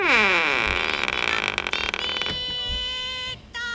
「きれいになってね」っと！